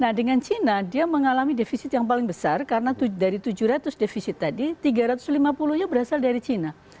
nah dengan china dia mengalami defisit yang paling besar karena dari tujuh ratus defisit tadi tiga ratus lima puluh nya berasal dari china